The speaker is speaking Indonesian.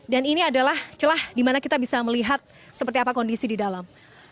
dan ini adalah celah dimana kita bisa melihat seperti apa kondisi di dalam